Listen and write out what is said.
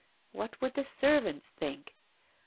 What would the servants think ?